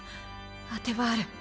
当てはある。